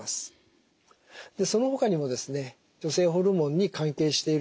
そのほかにもですね女性ホルモンに関係している子宮内膜がん。